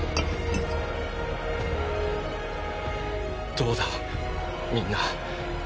どうだみんな。